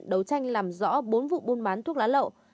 đấu tranh làm rõ bốn vụ buôn bán thuốc lá lậu